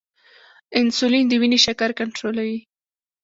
انسولین د وینې شکر کنټرولوي